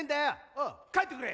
おう帰ってくれ！